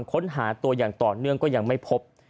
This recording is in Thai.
ค้นหาตัวอย่างต่อเนื่องก็ยังไม่พบ